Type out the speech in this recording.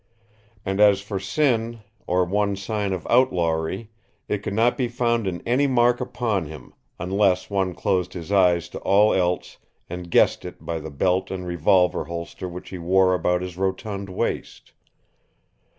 And as for sin, or one sign of outlawry, it could not be found in any mark upon him unless one closed his eyes to all else and guessed it by the belt and revolver holster which he wore about his rotund waist.